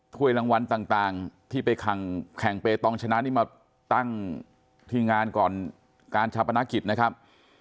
ถ้วยรางวัลต่างที่ไปแข่งเปตองชนะนี่มาตั้งที่งานก่อนการชาปนกิจนะครับ